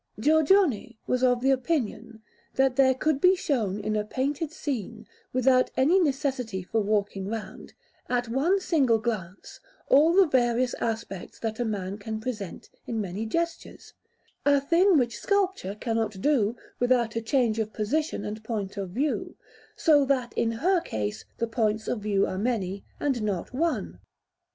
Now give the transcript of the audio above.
Giorgione was of the opinion that there could be shown in a painted scene, without any necessity for walking round, at one single glance, all the various aspects that a man can present in many gestures a thing which sculpture cannot do without a change of position and point of view, so that in her case the points of view are many, and not one.